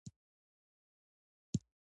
تکراري ميتود: